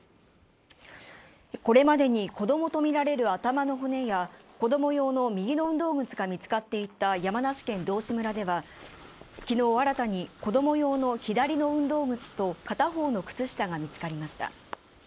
これまでに子どもと見られる頭の骨や子供用の右の運動靴が見つかっていた山梨県道志村では昨日新たに子供用の左の運動靴と片方の靴下が見つかりました